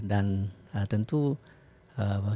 dan tentu sangat banyak